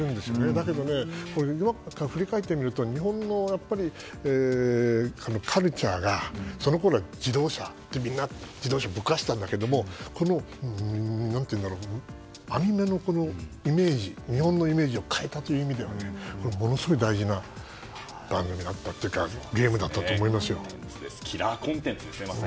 だけど、振り返ってみると日本のカルチャーがそのころは自動車でみんな自動車ぶっ壊していたんだけどこのアニメなどが日本のイメージを変えたという意味ではものすごい大事なゲームだったとキラーコンテンツですね。